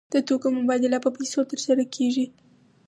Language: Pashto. د توکو مبادله په پیسو ترسره کیږي.